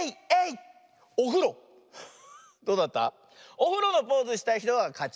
おふろのポーズしたひとがかち。